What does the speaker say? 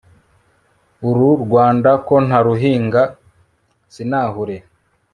uru rwanda ko nta ruhinga sinahure